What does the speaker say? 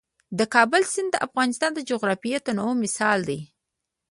د کابل سیند د افغانستان د جغرافیوي تنوع مثال دی.